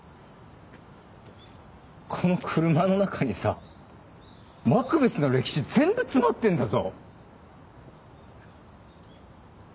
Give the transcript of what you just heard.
この車の中にさマクベスの歴史全部詰まってんだぞ。